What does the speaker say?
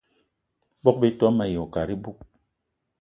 Bogb-ito mayi wo kat iboug.